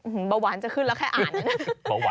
เบาหวานจะขึ้นแล้วแค่อ่านนะ